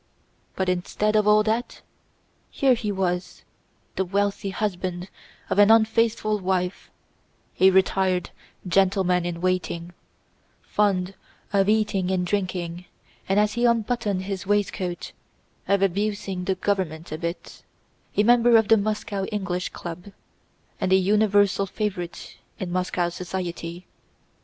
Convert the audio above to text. But instead of all that—here he was, the wealthy husband of an unfaithful wife, a retired gentleman in waiting, fond of eating and drinking and, as he unbuttoned his waistcoat, of abusing the government a bit, a member of the Moscow English Club, and a universal favorite in Moscow society.